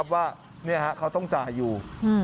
ว่าเขาต้องจ่ายอยู่